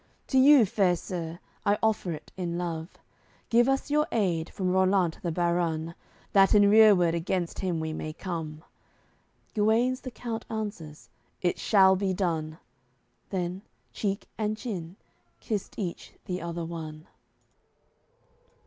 To you, fair sir, I offer it in love; Give us your aid from Rollant the barun, That in rereward against him we may come." Guenes the count answers: "It shall be done." Then, cheek and chin, kissed each the other one.